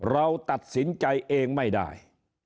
เราตัดสินใจเองไม่ได้